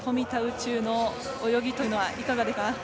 宇宙の泳ぎというのはいかがでしたか？